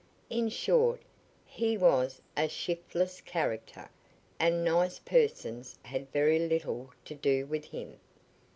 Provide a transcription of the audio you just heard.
In short, he was a "shiftless" character, and nice persons had very little to do with him.